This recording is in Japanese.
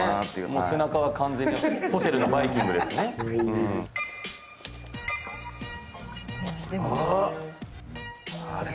もう背中は完全にホテルのバイキングですねあれ？